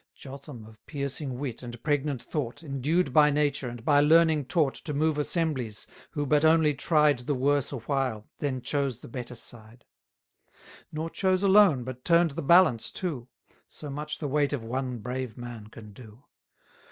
Jotham, of piercing wit, and pregnant thought; Endued by nature, and by learning taught To move assemblies, who but only tried The worse awhile, then chose the better side: Nor chose alone, but turn'd the balance too, So much the weight of one brave man can do.